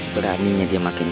beraninya dia makin takut